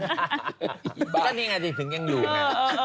จะมีอย่างไงสิถึงกันอยู่นะ